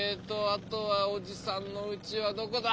あとはおじさんのうちはどこだ？